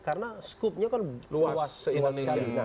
karena skupnya kan luas sekali